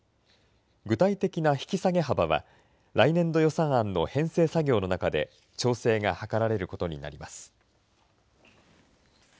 具体的な引き下げ幅は、来年度予算案の編成作業の中で調整が図られることになります。